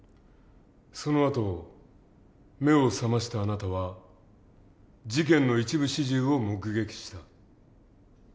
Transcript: そのあと目を覚ましたあなたは事件の一部始終を目撃した。